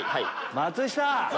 松下！